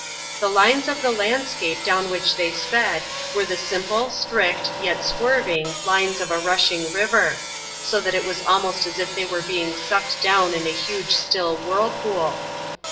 The lines of the landscape down which they sped, were the simple, strict, yet swerving, lines of a rushing river; so that it was almost as if they were being sucked down in a huge still whirlpool.